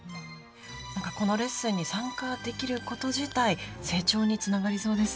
何かこのレッスンに参加できること自体成長につながりそうですね。